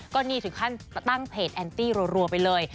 ก็นี่ถึงขั้นตั้งเพจแอนตี้รัวไปเลย